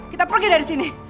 kita pergi dari sini